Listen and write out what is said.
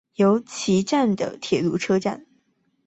由岐站的铁路车站。